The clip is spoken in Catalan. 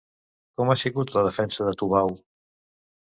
Com ha sigut la defensa de Tubau?